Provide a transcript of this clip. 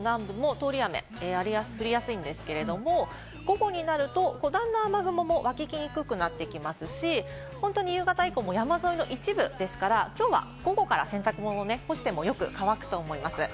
昼すぎぐらいまでは関東南部も通り雨、降りやすいんですけれども、午後になると段々、雨雲もわきにくくなってきますし、夕方以降も山沿いの一部ですから、きょうは午後から洗濯物を干してもよく乾くと思います。